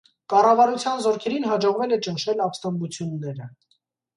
Կառավարության զորքերին հաջողվել է ճնշել ապստամբությունները։